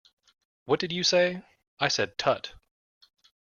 What did you say? I said 'Tut!'